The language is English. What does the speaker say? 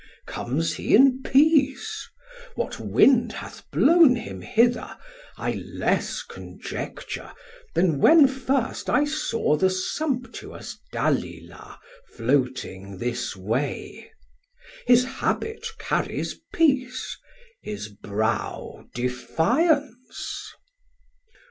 Comes he in peace? what wind hath blown him hither 1070 I less conjecture then when first I saw The sumptuous Dalila floating this way: His habit carries peace, his brow defiance.